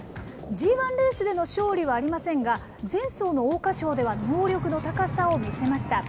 Ｇ１レースでの勝利はありませんが、前走の桜花賞では、能力の高さを見せました。